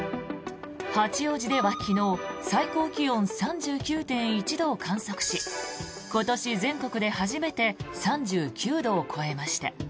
八王子では昨日最高気温３９．１度を観測し今年全国で初めて３９度を超えました。